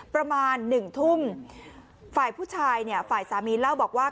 ประมาณหนึ่งทุ่มฝ่ายผู้ชายเนี่ยฝ่ายสามีเล่าบอกว่า